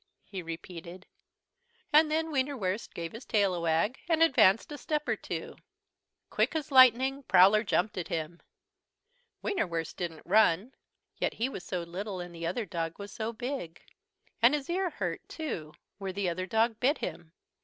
he repeated. And then Wienerwurst gave his tail a wag, and advanced a step or two. Quick as lightning Prowler jumped at him. Wienerwurst didn't run. Yet he was so little and the other dog was so big. And his ear hurt too, where the other dog bit him.